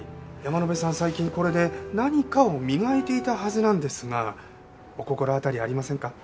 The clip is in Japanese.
最近これで何かを磨いていたはずなんですがお心当たりありませんか？